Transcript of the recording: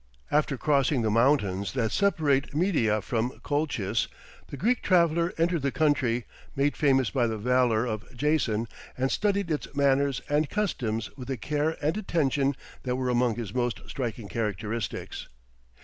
After crossing the mountains that separate Media from Colchis, the Greek traveller entered the country, made famous by the valour of Jason, and studied its manners and customs with the care and attention that were among his most striking characteristics.